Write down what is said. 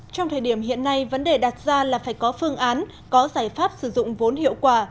trong thời điểm hiện nay vấn đề đặt ra là phải có phương án có giải pháp sử dụng vốn hiệu quả